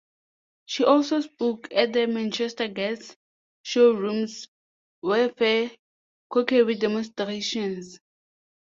She also spoke at the Manchester Gas Showrooms Warfare cookery demonstrations.